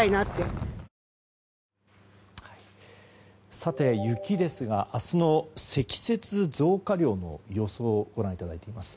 さて、雪ですが明日の積雪増加量の予想をご覧いただきます。